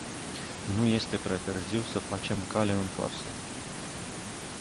Nu este prea târziu să facem cale întoarsă.